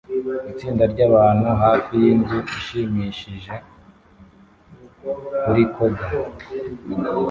Itsinda ryabantu hafi yinzu ishimishije kuri koga